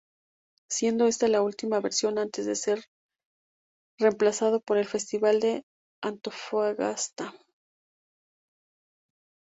Siendo esta la última versión antes de ser reemplazado por el Festival de Antofagasta.